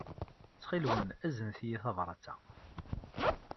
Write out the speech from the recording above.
Ttxil-wen, aznet-iyi tabṛat-a.